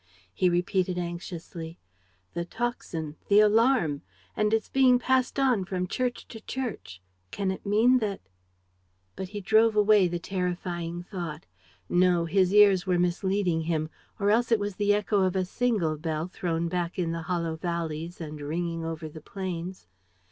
He repeated, anxiously: "The tocsin! ... The alarm! ... And it's being passed on from church to church. ... Can it mean that ..." But he drove away the terrifying thought. No, his ears were misleading him; or else it was the echo of a single bell thrown back in the hollow valleys and ringing over the plains.